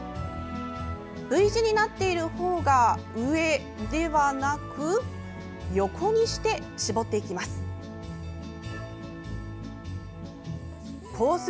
Ｖ字になっている方が上ではなく横にして絞っていきます。